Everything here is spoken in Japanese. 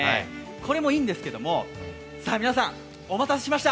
これもいいんですけども皆さんお待たせしました。